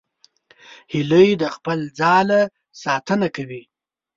هیلۍ د خپل ځاله ساتنه کوي